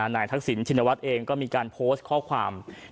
ทักษิณชินวัฒน์เองก็มีการโพสต์ข้อความ